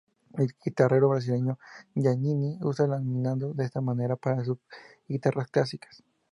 El guitarrero brasileño Giannini usa laminado de esta madera para sus guitarras clásicas.